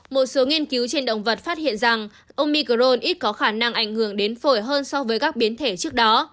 một số nghiên cứu trên động vật phát hiện rằng omicron ít có khả năng ảnh hưởng đến phổi hơn so với các biến thể trước đó